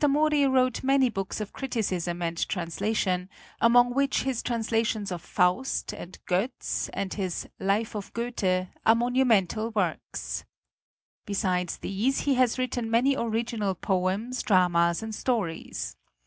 Mori wrote many books of criticism and translation, among which his translations of "Faust" and "Gotz," and his "Life of Goethe" are monumental works. Be sides these he has written many original poems, dramas and stories.